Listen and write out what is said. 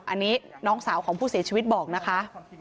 อันนี้น้องสาวของผู้เสียชีวิตบอกนะคะ